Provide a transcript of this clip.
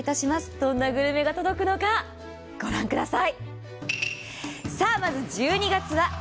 どんなグルメが届くのか御覧ください。